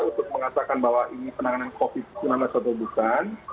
untuk mengatakan bahwa ini penanganan covid sembilan belas atau bukan